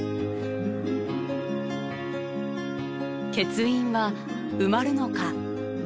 欠員は埋まるのか。